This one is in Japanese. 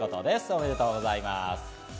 おめでとうございます。